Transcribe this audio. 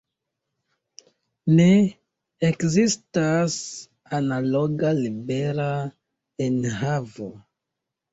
Ne ekzistas analoga libera enhavo.